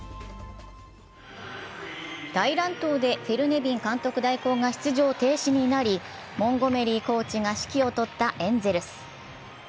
大乱闘でフィル・ネビン監督代行が出場停止になりモンゴメリーコーチが指揮をとったエンゼルス。